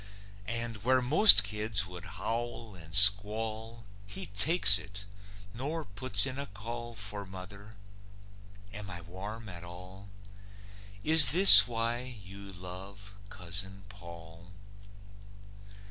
And, where most kids would howl and squall, He takes it, nor puts in a call For mother? Am I warm at all? Is this why you love Cousin Paull?